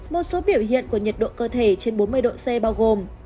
một số biểu hiện của nhiệt độ cơ thể trên bốn mươi độ c bao gồm